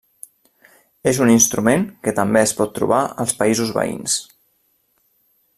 És un instrument que també es pot trobar als països veïns.